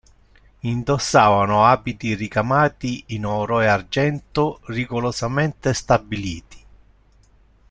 Indossavano abiti ricamati in oro e argento rigorosamente stabiliti.